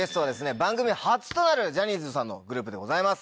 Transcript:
番組初となるジャニーズさんのグループでございます。